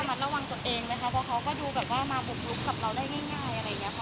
เพราะเขาก็ดูแบบว่ามาบุกลุกกับเราได้ง่ายอะไรอย่างนี้ค่ะ